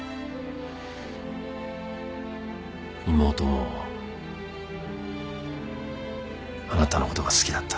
妹もあなたのことが好きだった。